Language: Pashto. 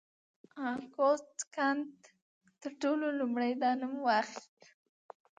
اګوست کنت تر ټولو لومړی دا نوم واخيست.